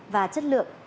và chất lượng